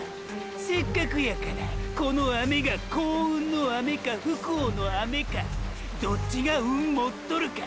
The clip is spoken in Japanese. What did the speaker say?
せっかくやからこの雨が幸運の雨か不幸の雨かどっちが運もっとるか？